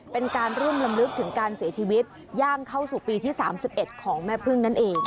เป็นการร่วมลำลึกถึงการเสียชีวิตย่างเข้าสู่ปีที่๓๑ของแม่พึ่งนั่นเอง